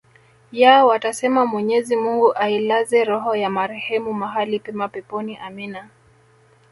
yao watasema mwenyezi mungu ailaze roho ya marehemu mahali pema peponi amina